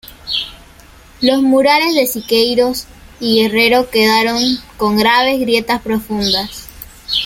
Los Murales de Siqueiros y Guerrero quedaron con graves grietas profundas.